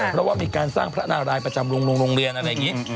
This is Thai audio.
เพราะว่ามีการสร้างพระนารายประจำโรงเรียนอะไรอย่างนี้